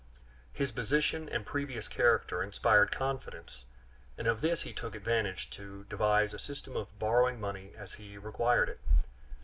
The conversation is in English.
His position and previous character inspired confidence, and of this he took advantage to devise a system of borrowing money as he required it.